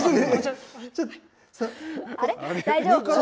あれ、大丈夫。